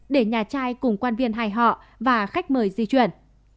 để nhà trai cùng quan viên hai họ và khách mời di chuyển